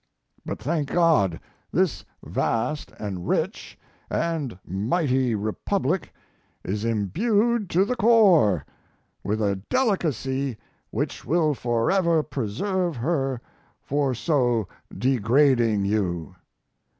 But, thank God! this vast and rich and mighty republic is imbued to the core with a delicacy which will forever preserve her from so degrading you.